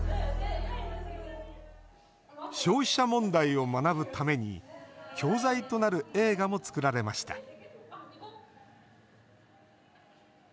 消費者問題を学ぶために教材となる映画も作られました。